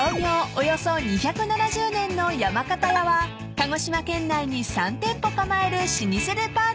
およそ２７０年の山形屋は鹿児島県内に３店舗構える老舗デパート］